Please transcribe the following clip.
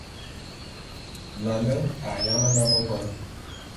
Nane a yám nnám ngon.